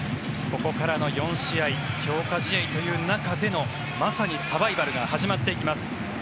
ここからの４試合強化試合という中でのまさにサバイバルが始まっていきます。